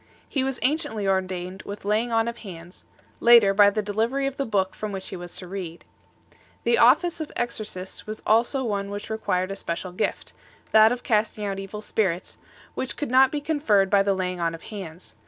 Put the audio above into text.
He was anciently ordained with laying on of hands 5 ; later, by the delivery of the book from which he was to read 6 . The office of J^xorcist was also one which required a special gift that of casting out evil spirits 7 which could not be conferred by the laying on of hands.